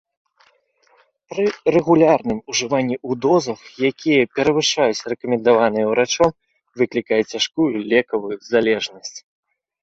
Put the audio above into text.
Пры рэгулярным ужыванні ў дозах, якія перавышаюць рэкамендаваныя ўрачом, выклікае цяжкую лекавую залежнасць.